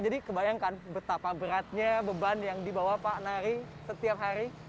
jadi kebayangkan betapa beratnya beban yang dibawa pak nari setiap hari